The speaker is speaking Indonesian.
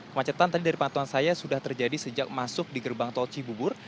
kemacetan tadi dari pantauan saya sudah terjadi sejak masuk di gerbang tol cibubur